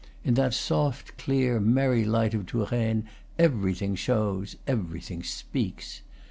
In that soft, clear, merry light of Touraine, everything shows, everything speaks.